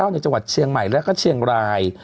ในจังหวัดเชียงใหม่และเชียงไลน์